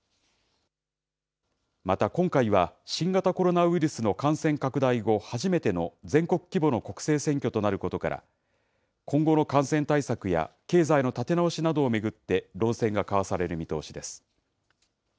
また今回は、新型コロナウイルスの感染拡大後初めての全国規模の国政選挙となることから、今後の感染対策や経済の立て直しなどを巡って論戦が交わされる見通しです。